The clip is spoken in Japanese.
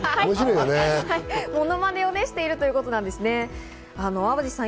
ものまねをしているということなんですね。